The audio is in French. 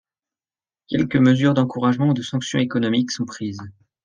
Quelques mesures d'encouragement ou de sanctions économiques sont prises.